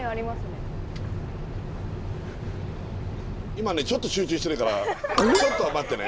今ねちょっと集中してるからちょっと待ってね。